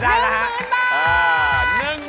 เป่ายิงชุด